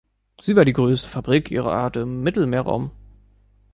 Sie war die größte Fabrik ihrer Art im Mittelmeerraum.